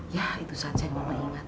ya itu saja yang mama ingat